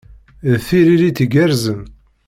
D tiririt igerrzen.